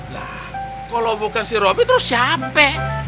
lah kalau bukan si robi terus siapa